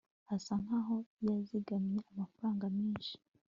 asa nkaho yazigamye amafaranga menshi